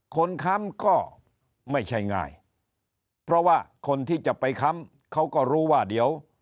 ค้ำก็ไม่ใช่ง่ายเพราะว่าคนที่จะไปค้ำเขาก็รู้ว่าเดี๋ยว